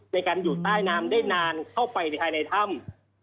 ในการอยู่ใต้น้ำได้นานเข้าไปภายในถ้ำ